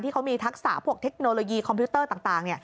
เขามีทักษะพวกเทคโนโลยีคอมพิวเตอร์ต่าง